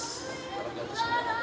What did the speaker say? di atas tidak ada